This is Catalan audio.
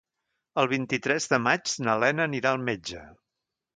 El vint-i-tres de maig na Lena anirà al metge.